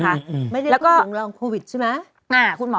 คุณผู้ชมขายังจริงท่านออกมาบอกว่า